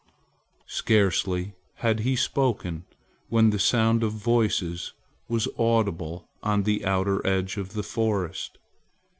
Scarcely had he spoken when the sound of voices was audible on the outer edge of the forest.